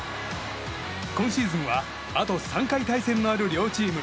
今シーズンはあと３回対戦のある両チーム。